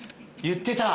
言ってた。